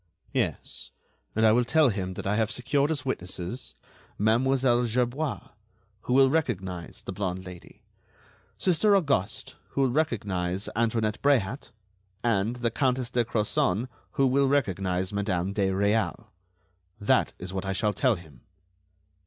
"Yes; and I will tell him that I have secured as witnesses: Mademoiselle Gerbois, who will recognize the blonde Lady; Sister Auguste, who will recognize Antoinette Bréhat; and the Countess de Crozon, who will recognize Madame de Réal. That is what I shall tell him."